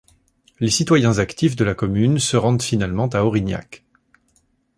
Les citoyens actifs de la commune se rendent finalement à Aurignac.